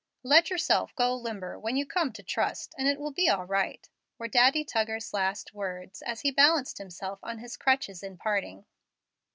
"Let yourself go limber when you come to trust, and it will be all right," were Daddy Tuggar's last words, as he balanced himself on his crutches in parting.